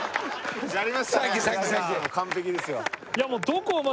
完璧ですよ。